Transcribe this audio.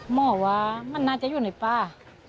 หมอว่ามันน่าจะอยู่ในป่า